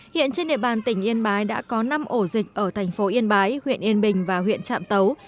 hiện trên địa bàn tỉnh yên bái đã có năm ổ dịch ở thành phố yên bái huyện yên bình và huyện trạm tấu